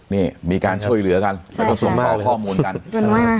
นี่มีการช่วยเหลือกันแล้วก็ส่งต่อข้อมูลกันว่า